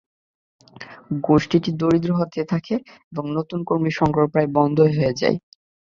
গোষ্ঠীটি দরিদ্র হতে থাকে এবং নতুন কর্মী সংগ্রহ প্রায় বন্ধই হয়ে যায়।